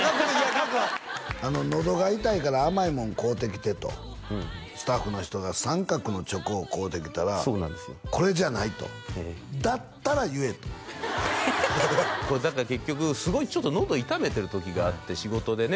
顔赤くはのどが痛いから甘いもん買うてきてとスタッフの人が三角のチョコを買うてきたら「これじゃない」と「だったら言え」と結局すごいちょっとのど痛めてる時があって仕事でね